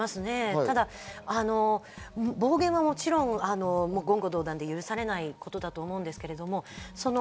ただ暴言はもちろん、言語道断で許されないことだと思うんですけれども。